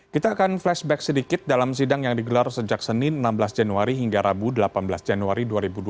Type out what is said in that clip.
kita akan flashback sedikit dalam sidang yang digelar sejak senin enam belas januari hingga rabu delapan belas januari dua ribu dua puluh